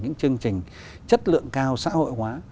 những chương trình chất lượng cao xã hội hóa